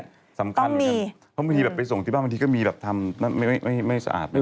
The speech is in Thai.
ต้องมีต้องมีครับเพราะบางทีไปส่งที่บ้านบางทีก็มีแบบทำไม่สะอาด